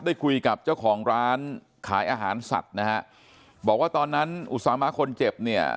ได้คุยกับเจ้าของร้านขายอาหารสัตว์นะฮะบอกว่าตอนนั้นอุตสามะคนเจ็บเนี่ย